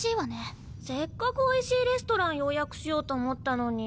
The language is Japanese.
せっかくおいしいレストラン予約しようと思ったのに。